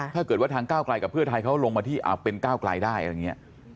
ถ้าเกิดว่าทางก้าวไกลกับเพื่อไทยเขาลงมาที่เป็นก้าวไกลได้